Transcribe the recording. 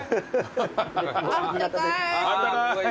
あったかい。